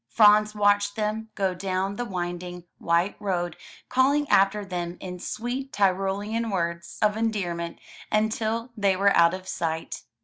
Franz watched them go down the winding, white road, calling after them in sweet Tyrolean words of endearment until they were out of sight.